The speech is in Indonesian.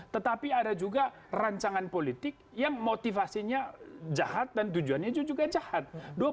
tetapi ada juga rancangan politik yang motivasinya jahat dan tujuannya juga jahat